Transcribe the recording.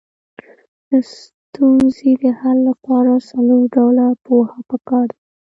د ستونزې د حل لپاره څلور ډوله پوهه پکار ده.